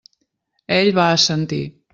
Ell va assentir.